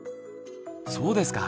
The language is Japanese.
そうですか。